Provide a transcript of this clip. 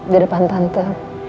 di depan tante